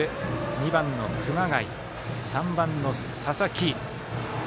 ２番の熊谷、３番の佐々木。